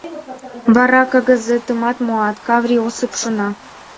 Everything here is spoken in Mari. Вара кагазетымат муат, — Каврий Осып шуна.